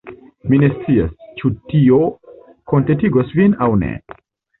Mi ne scias, ĉu tio kontentigos vin aŭ ne.